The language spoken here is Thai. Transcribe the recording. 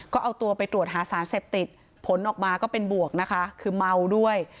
ก็เอาตัวไปตรวจหาสารเสพติดผลออกมาก็เป็นบวกนะคะคือเมาด้วย